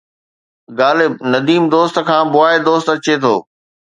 غالب! نديم دوست کان بواءِ دوست اچي ٿو